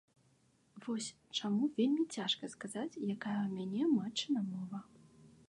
Вось чаму вельмі цяжка сказаць, якая ў мяне матчына мова.